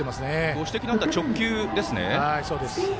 ご指摘のあった直球ですね。